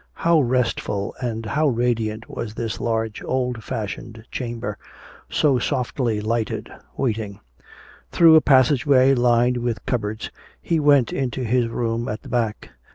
How restful and how radiant was this large old fashioned chamber, so softly lighted, waiting. Through a passageway lined with cupboards he went into his room at the back.